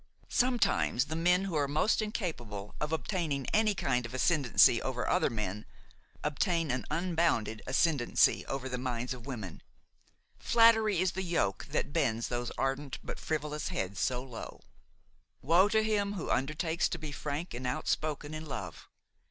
Sometimes the men who are most incapable of obtaining any sort of ascendancy over other men, obtain an unbounded ascendancy over the minds of women. Flattery is the yoke that bends those ardent but frivolous heads so low. Woe to him who undertakes to be frank and outspoken in love!